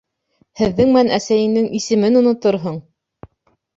Һеҙҙең менән әсәйеңдең исемен оноторһоң!